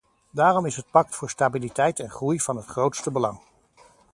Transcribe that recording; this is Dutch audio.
Daarom is het pact voor stabiliteit en groei van het grootste belang.